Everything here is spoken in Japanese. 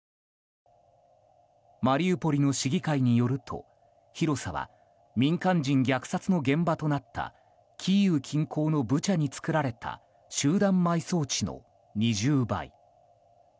マリウポリの市議会によると広さは民間人虐殺の現場となったキーウ近郊のブチャに作られた集団埋葬地の２０倍。